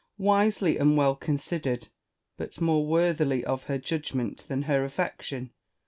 Wisely and well considered ; but more worthily of her judgment than her affection.